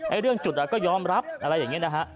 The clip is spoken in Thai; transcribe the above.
เรื่องจุดก็ยอมรับอะไรอย่างนี้นะฮะ